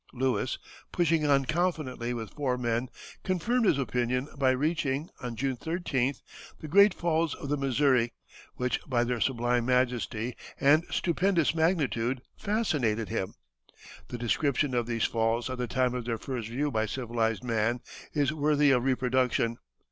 Lewis, pushing on confidently with four men, confirmed his opinion by reaching, on June 13th, the great falls of the Missouri, which by their sublime majesty and stupendous magnitude fascinated him. The description of these falls at the time of their first view by civilized man is worthy of reproduction.